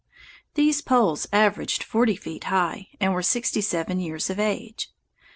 These poles averaged forty feet high and were sixty seven years of age.